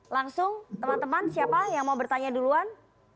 langsung teman teman siapa yang mau bertanya duluan